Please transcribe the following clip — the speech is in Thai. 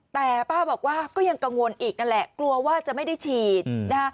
แต่ป้าบอกว่าก็ยังกังวลอีกนั่นแหละกลัวว่าจะไม่ได้ฉีดนะฮะ